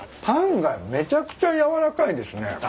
パンがめちゃくちゃ軟らかいですね。